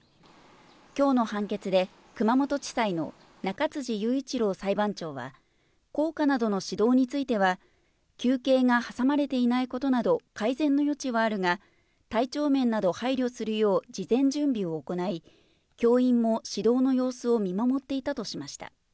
きょうの判決で熊本地裁の中辻雄一朗裁判長は、校歌などの指導については、休憩が挟まれていないことなど、改善の余地はあるが、体調面など配慮するよう事前準備を行い、教員も指導の様子を見守っていたとしました。